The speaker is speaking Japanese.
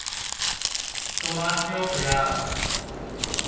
人の足音や。